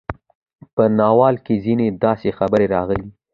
په ناول کې ځينې داسې خبرې راغلې